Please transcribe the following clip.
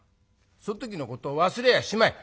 その時のこと忘れやしまい！